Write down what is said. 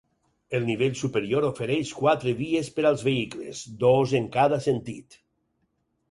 El nivell superior ofereix quatre vies per als vehicles, dos en cada sentit.